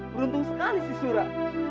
beruntung sekali surat